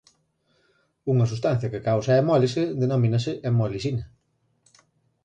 Unha substancia que causa a hemólise denomínase hemolisina.